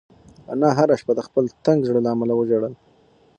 انا هره شپه د خپل تنګ زړه له امله وژړل.